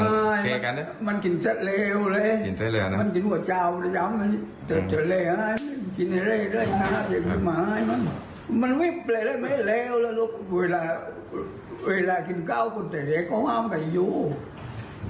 ไม่มันกินซะเลวเลยมันกินกว่าเจ้าอย่างนี้